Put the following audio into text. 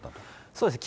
そうですね。